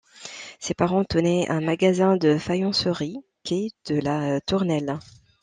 Ses parents tenaient un magasin de faïencerie, quai de la Tournelle.